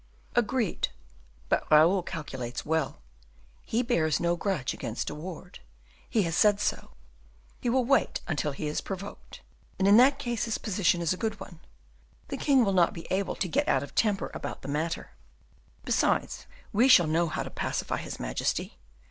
"Agreed; but Raoul calculates well; he bears no grudge against De Wardes, he has said so; he will wait until he is provoked, and in that case his position is a good one. The king will not be able to get out of temper about the matter; besides we shall know how to pacify his majesty.